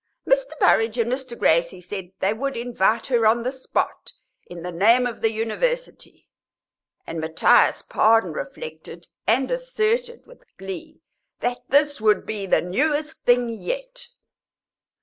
Mr. Burrage and Mr. Gracie said they would invite her on the spot, in the name of the University; and Matthias Pardon reflected (and asserted) with glee that this would be the newest thing yet.